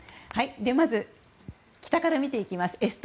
まず北から見ていきます。